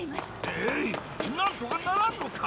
ええいなんとかならんのか！